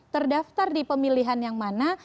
terdaftar di pemilihan yang mana